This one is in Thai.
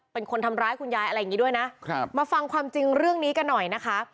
เป็นคนทำร้ายคุณยายอะไรอย่างงี้ด้วยนะครับมาฟังความจริงเรื่องนี้กันหน่อยนะคะ